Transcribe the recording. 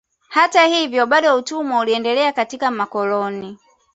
Hata hivyo bado utumwa uliendelea katika makoloni